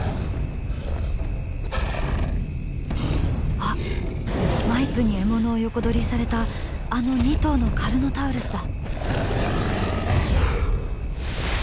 あっマイプに獲物を横取りされたあの２頭のカルノタウルスだ。